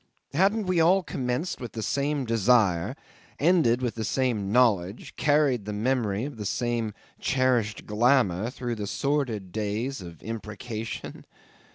Hadn't we all commenced with the same desire, ended with the same knowledge, carried the memory of the same cherished glamour through the sordid days of imprecation?